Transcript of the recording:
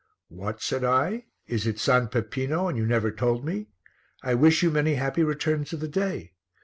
"What?" said I, "is it S. Peppino and you never told me? I wish you many happy returns of the day.